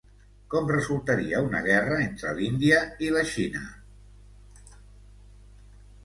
Com resultaria una guerra entre l'Índia i la Xina?